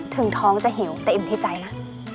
ถึงท้องจะหิวแต่อิ่มเทใจนะ